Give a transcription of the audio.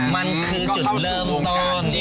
มันคือจุดเริ่มต้น